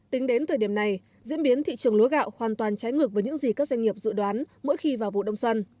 tính đến thời điểm này diễn biến thị trường lúa gạo hoàn toàn trái ngược với những gì các doanh nghiệp dự đoán mỗi khi vào vụ đông xuân